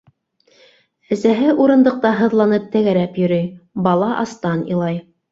Әсәһе урындыҡта һыҙланып тәгәрәп йөрөй, бала астан илай.